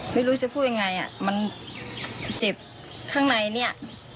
ไม่รู้จะพูดยังไงอ่ะมันเจ็บข้างในเนี่ย